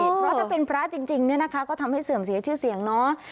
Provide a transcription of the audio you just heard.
เพราะถ้าเป็นพระจริงเนี่ยนะคะก็ทำให้เสื่อมเสียชื่อเสียงเนาะ